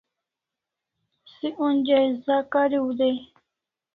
Se onja za kariu dai